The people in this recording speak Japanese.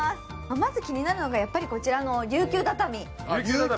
まず気になるのが、やはりこちらの琉球畳。